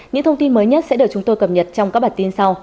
những thông tin mới nhất sẽ được chúng tôi cập nhật trong các bản tin sau